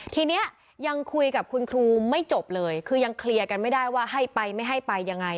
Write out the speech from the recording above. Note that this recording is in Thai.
ทีนี้ยังคุยกับคุณครูไม่จบเลยคือยังเคลียร์กันไม่ได้ว่าให้ไปไม่ให้ไปยังไง